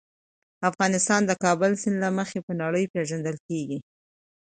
افغانستان د کابل سیند له مخې په نړۍ پېژندل کېږي.